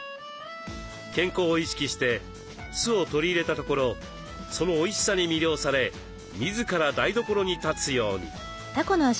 健康を意識して酢を取り入れたところそのおいしさに魅了され自ら台所に立つように。